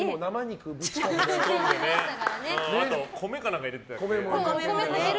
あとは米か何か入れてたよね。